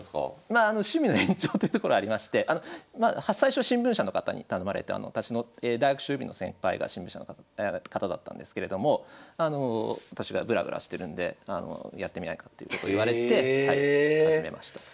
まあ趣味の延長というところありまして最初新聞社の方に頼まれて私の大学将棋の先輩が新聞社の方だったんですけれども私がブラブラしてるんでやってみないかということを言われて始めました。